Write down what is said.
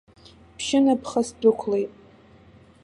Ԥшьынаԥха сдәықәлеит.